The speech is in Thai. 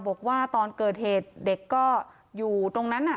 บอกว่าตอนเกิดเหตุเด็กก็อยู่ตรงนั้น